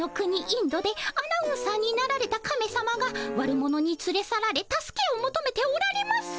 インドでアナウンサーになられたカメさまが悪者につれ去られ助けをもとめておられます。